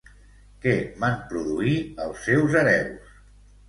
Què van produir els seus hereus?